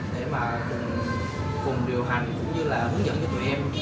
để mà cùng điều hành cũng như là hướng dẫn cho tụi em